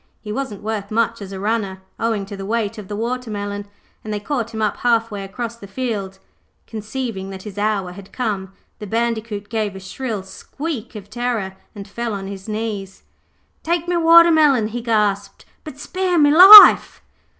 He wasn't worth much as a runner, owing to the weight of the watermelon, and they caught him up half way across the field. Conceiving that his hour had come, the Bandicoot gave a shrill squeak of terror and fell on his knees. 'Take me watermelon,' he gasped,'but spare me life.'